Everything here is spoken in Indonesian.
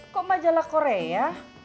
kok majalah korea